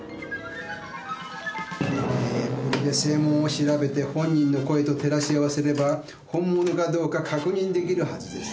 えーこれで声紋を調べて本人の声と照らし合わせれば本物かどうか確認できるはずです。